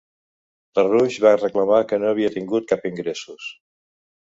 LaRouche va reclamar que no havia tingut cap ingressos.